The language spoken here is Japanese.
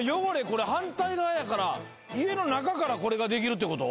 これ反対側やから家の中からこれができるって事？